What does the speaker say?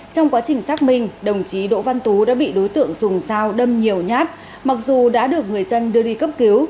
trong quá trình xác minh đồng chí đỗ văn tú đã bị đối tượng dùng dao đâm nhiều nhát mặc dù đã được người dân đưa đi cấp cứu